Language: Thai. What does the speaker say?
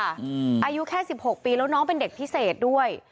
อายุแค่๑๖ปีแล้วน้องเป็นเด็กพิเศษด้วย